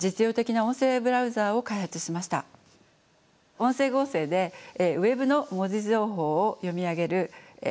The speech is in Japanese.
音声合成でＷｅｂの文字情報を読み上げるソフトウェアです。